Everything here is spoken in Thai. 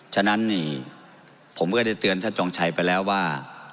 ฉะนั้นนี่ผมก็ได้เตือนท่านจองชัยไปแล้วว่า